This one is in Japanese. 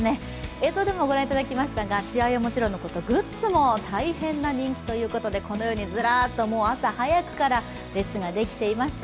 映像でもご覧いたきましたが、試合はもちろんのこと、グッズも大変な人気ということでずらっと朝早くから列が出来ていました。